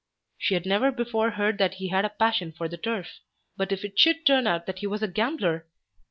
She had never before heard that he had a passion for the turf; but if it should turn out that he was a gambler!